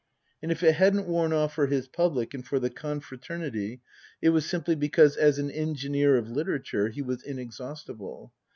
And if it hadn't worn off for his public and for the confraternity, it was simply because as an engineer of literature he was inexhaustible.